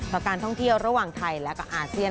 กับการท่องเที่ยวระหว่างไทยและก็อาเซียน